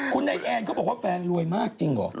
คุณนายแอนเขาบอกว่าแฟนรวยมากจริงเหรอ